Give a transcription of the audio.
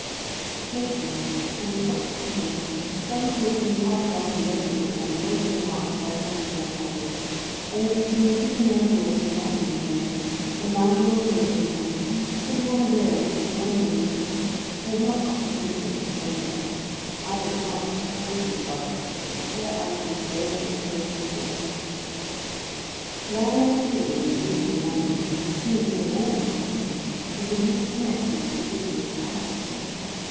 Occasionally, when we stop to change, some two or three half drunken loafers will come loitering out with their hands in their pockets, or will be seen kicking their heels in rocking chairs, or lounging on the window sill, or sitting on a rail within the colonnade: they have not often anything to say though, either to us or to each other, but sit there idly staring at the coach and horses. The landlord of the inn is usually among them, and seems, of all the party, to be the least connected with the business of the house.